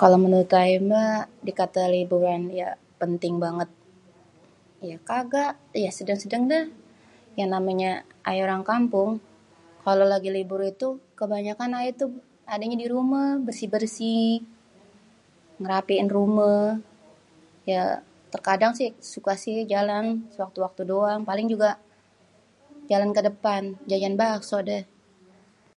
kalo menurut ayè mèh dikatè liburan ya penting banget, [yè] kaga, [yè] sèdèng-sèdèng dèh yang namènyè ayè orang kampung kalo lagi libur itu kebanyakan ayè tuh adènyè dirumèh, bersih-bersih, ngerapiin rumèh, [yè] terkadang si suka si suka jalan sewaktu-waktu doang paling juga, jalan kedepan jajan bakso dèh.